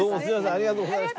ありがとうございます。